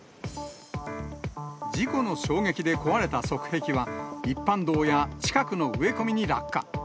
事故の衝撃で壊れた側壁は、一般道や近くの植え込みに落下。